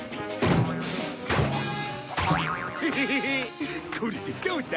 ヘヘヘヘこれでどうだ？